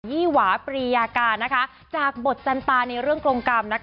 ี่หวาปรียากาจากบทจันตาในเรื่องกรงกรรม